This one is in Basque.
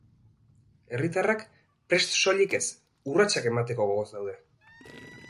Herritarrak prest soilik ez, urratsak emateko gogoz daude.